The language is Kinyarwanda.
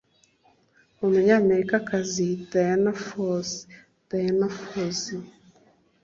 Umunyamerikakazi Dayana Fose (Diana Fossey)